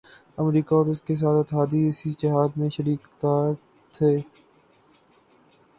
امریکہ اور اس کے تمام اتحادی اس جہاد میں شریک کار تھے۔